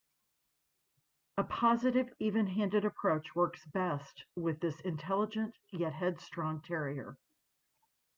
A positive, even-handed approach works best with this intelligent yet headstrong terrier.